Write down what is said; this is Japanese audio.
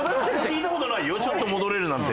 ちょっと戻れるなんて。